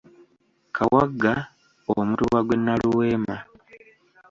Kawagga Omutuba gw'e Nnaluweema.